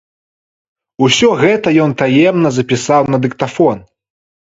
Усё гэта ён таемна запісаў на дыктафон.